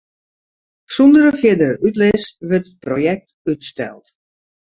Sûnder fierdere útlis wurdt it projekt útsteld.